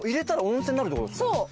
そう。